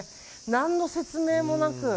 何の説明もなく。